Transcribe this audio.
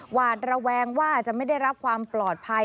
หวาดระแวงว่าจะไม่ได้รับความปลอดภัย